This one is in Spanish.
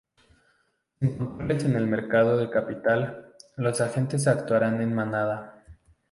Sin controles en el mercado de capital, los agentes actuarán en "manada".